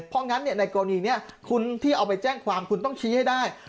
เพราะงั้นในกรณีนี้คุณที่เอาไปแจ้งความคุณต้องชี้ให้ได้